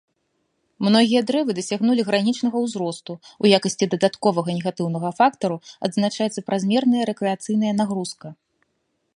Многія дрэвы дасягнулі гранічнага ўзросту, у якасці дадатковага негатыўнага фактару адзначаецца празмерная рэкрэацыйная нагрузка.